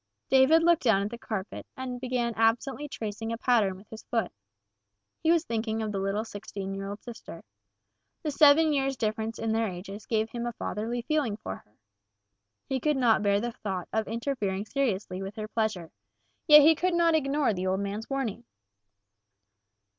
David looked down at the carpet, and began absently tracing a pattern with his foot. He was thinking of the little sixteen year old sister. The seven years' difference in their ages gave him a fatherly feeling for her. He could not bear the thought of interfering seriously with her pleasure, yet he could not ignore the old man's warning.